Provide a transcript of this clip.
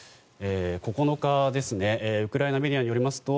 ９日、ウクライナメディアによりますと